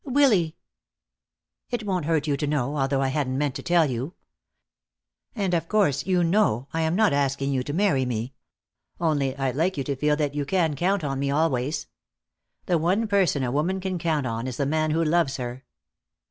"Willy!" "It won't hurt you to know, although I hadn't meant to tell you. And of course, you know, I am not asking you to marry me. Only I'd like you to feel that you can count on me, always. The one person a woman can count on is the man who loves her."